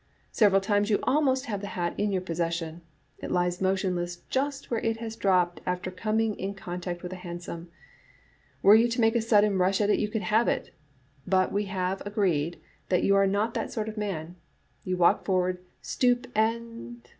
Several times you almost have the hat in your possession. It lies motionless just where it has dropped after coming in IHT ^uu> lkht t1AJt)r • contact with a hansom. Were you to make a sudden rush at it you could have it, but we have agreed that you are not that sort of man. You walk forward, stoop and